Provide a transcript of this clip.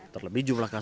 terlebih jumlah kasus